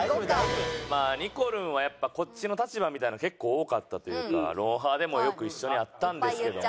まあにこるんはやっぱこっちの立場みたいなん結構多かったというか『ロンハー』でもよく一緒にあったんですけども。